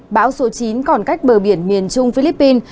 bão số chín còn cách bờ biển miền trung philippines